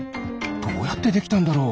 どうやってできたんだろう？